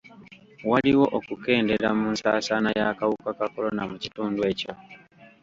Waliwo okukendeera mu nsaasaana y'akawuka ka kolona mu kitundu ekyo.